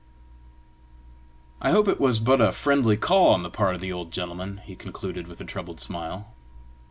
"I hope it was but a friendly call on the part of the old gentleman!" he concluded, with a troubled smile.